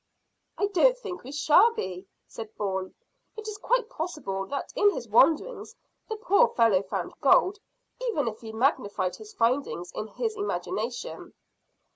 "I don't think we shall be," said Bourne. "It is quite possible that in his wanderings the poor fellow found gold, even if he magnified his findings in his imagination."